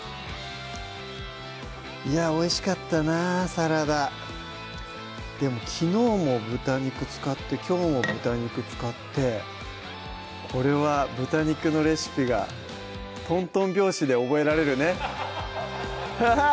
いやおいしかったなサラダでも昨日も豚肉使ってきょうも豚肉使ってこれは豚肉のレシピがハハハハハ！